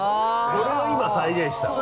それを今再現したのね。